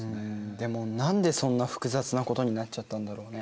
でも何でそんな複雑なことになっちゃったんだろうね？